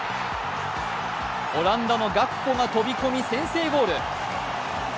オランダのガクポが飛び込み先制ゴール。